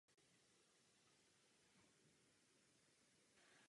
Euro ochránilo naše občany před hospodářskými výkyvy.